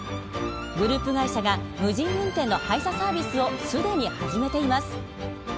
グループ会社が無人運転の配車サービスを既に始めています。